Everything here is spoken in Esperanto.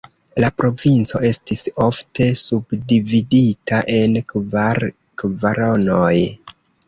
La provinco estis ofte subdividita en kvar kvaronoj.